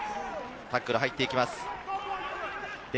タックル、入っていきます。